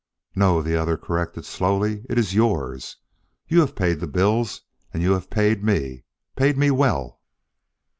"No," the other corrected slowly, "it is yours. You have paid the bills and you have paid me. Paid me well."